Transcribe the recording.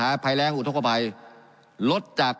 การปรับปรุงทางพื้นฐานสนามบิน